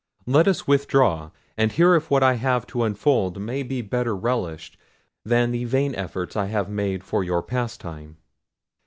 Let us withdraw, and hear if what I have to unfold may be better relished than the vain efforts I have made for your pastime."